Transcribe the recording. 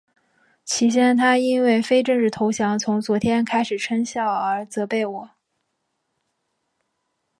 起先他因为非正式投降从昨天开始生效而责备我。